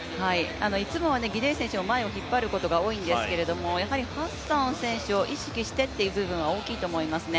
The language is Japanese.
いつもはギデイ選手が引っ張ることが多いんですけど、やはりハッサン選手を意識してという部分は大きいと思いますね。